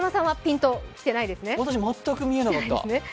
私、全く見えなかった。